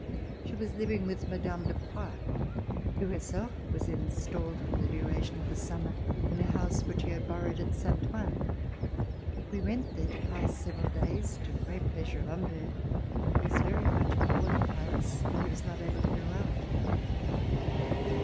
She was Hving with Mme. de Poix, who herself was installed for the duration of the summer in a house which she had borrowed at Saint Ouen. We went there to pass several days to the great pleasure of Humbert who was very much bored at Paris where he was not able to go out.